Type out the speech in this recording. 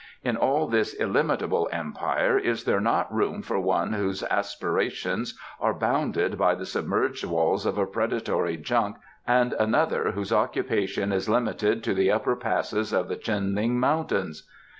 In all this illimitable Empire is there not room for one whose aspirations are bounded by the submerged walls of a predatory junk and another whose occupation is limited to the upper passes of the Chunling mountains?